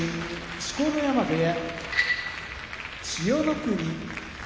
錣山部屋千代の国